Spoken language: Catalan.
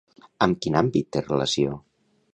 Amb quin àmbit té relació?